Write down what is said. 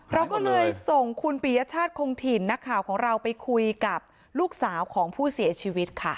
เราก็เลยส่งคุณปียชาติคงถิ่นนักข่าวของเราไปคุยกับลูกสาวของผู้เสียชีวิตค่ะ